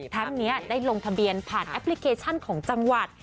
ทั้งนี้ได้ลงทะเบียนผ่านแอปพลิเคชันของจังหวัด